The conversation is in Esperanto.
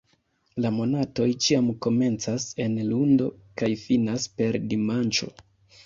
La monatoj ĉiam komencas en lundo kaj finas per dimanĉo.